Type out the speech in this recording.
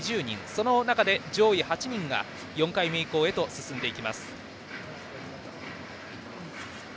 その中で上位８人が４回目以降へと進んでいきます。